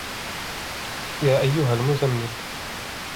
يَا أَيُّهَا الْمُزَّمِّلُ